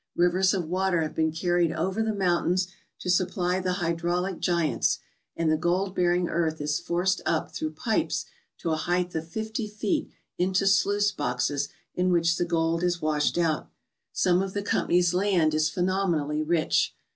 Rivers of water have been carried over the mountains to supply the hydraulic giants, and the gold bearing earth is forced up through pipes to a height of fifty feet into sluice boxes, in which the gold is washed out. Some of the company's land is phenomenally rich.